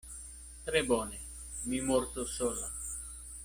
Tre bone: mi mortos sola.